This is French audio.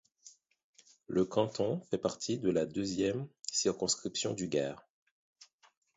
Le canton fait partie de la deuxième circonscription du Gard.